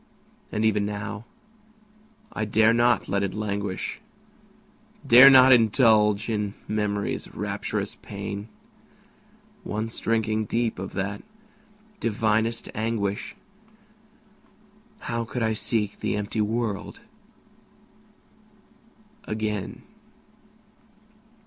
And even now, I dare not let it languish, Dare not indulge in Memory's rapturous pain; Once drinking deep of that divinest anguish, How could I seek the empty world again?